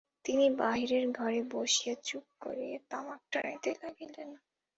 তিনি বাহিরের ঘরে বসিয়া চুপ করিয়া তামাক টানিতে লাগিলেন।